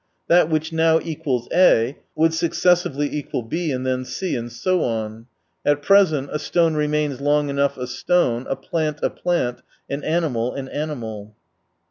That which now equals A would successively equal B and then C, and so on. At present a stone remains long enough a stone, a plant a plant, an animal an animal.